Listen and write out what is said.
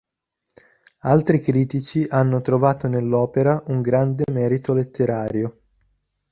Altri critici hanno trovato nell'opera un grande merito letterario.